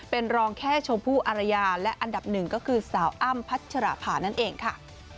เป็นรองแค่ชมพู่อารยาและอันดับหนึ่งก็คือสาวอ้ำพัชราภานั่นเองค่ะ